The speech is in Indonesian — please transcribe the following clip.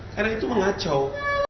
karena itu mengacau